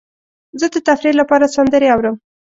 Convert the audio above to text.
زه د تفریح لپاره سندرې اورم.